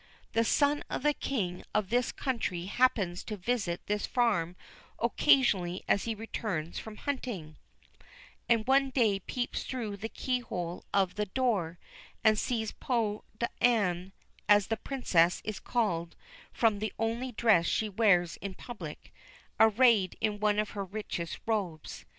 The son of the King of this country happens to visit this farm occasionally as he returns from hunting, and one day peeps through the keyhole of the door, and sees Peau d'Ane (as the Princess is called, from the only dress she wears in public) arrayed in one of her richest robes.